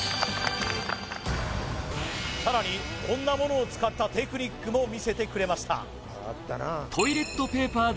さらにこんなものを使ったテクニックも見せてくれました